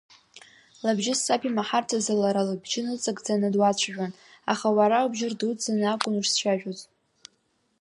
Лыбжьы саб имаҳарц азы лара лыбжьы ныҵакӡаны дуацәажәон, аха уара убжьы рдуӡӡаны акәын ушцәажәоз.